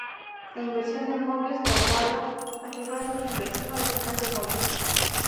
La inversión de Möbius tratada arriba es la inversión original de Möbius.